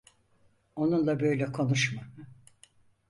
Onunla böyle konuşma.